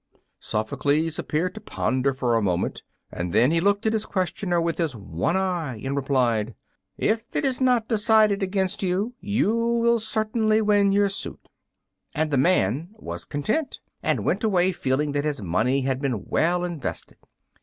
Sophocles appeared to ponder for a moment, and then he looked at his questioner with his one eye and replied, "If it is not decided against you, you will certainly win your suit." And the man was content, and went away feeling that his money had been well invested.